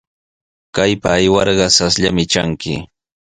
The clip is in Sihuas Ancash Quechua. Kaypa aywarqa rasllami tranki.